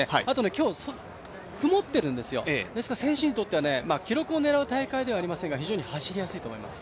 今日、曇っているんですよなので選手にとっては記録を狙う大会ではありませんが非常に狙いやすいと思います。